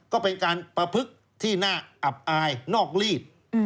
ก็เป็นการประพฤกษ์ที่น่าอับอายนอกลีด